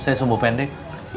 saya sumbu pendek